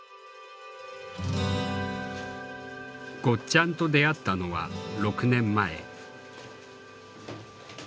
ゴッちゃんと出会ったのは６年前。